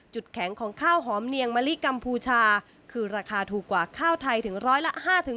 แข็งของข้าวหอมเนียงมะลิกัมพูชาคือราคาถูกกว่าข้าวไทยถึงร้อยละ๕๒